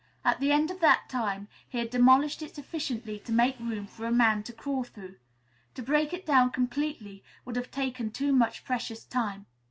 At the end of that time, he had demolished it sufficiently to make room for a man to crawl through. To break it down completely would have taken too much precious time.